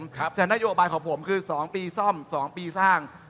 แต่นโยบายของผมคือ๒ปีซ่อม๒ปีสร้าง